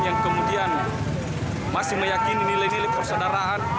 yang kemudian masih meyakini milik milik persaudaraan